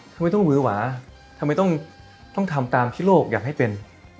ทำไมต้องหวือหวาทำไมต้องทำตามที่โลกอยากให้เป็น